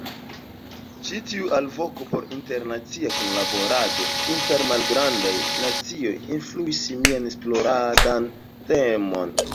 Ĉi tiu alvoko por internacia kunlaborado inter malgrandaj nacioj influis mian esploradan temon.